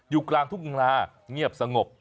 อยู่กลางทุ่งนาเงียบสงบ